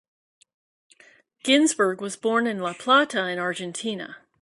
Ginzburg was born in La Plata in Argentina.